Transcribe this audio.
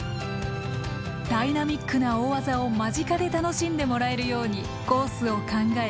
ダイナミックな大技を間近で楽しんでもらえるようにコースを考え